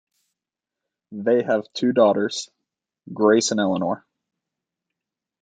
They have two daughters, Grace and Eleanor.